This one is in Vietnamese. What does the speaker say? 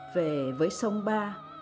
về với sông ba